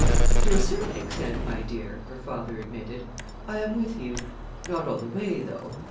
"To a certain extent, my dear," her father admitted, "I am with you. Not all the way, though.